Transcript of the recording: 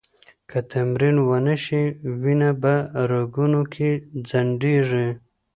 که تمرین ونه شي، وینه په رګونو کې ځنډېږي.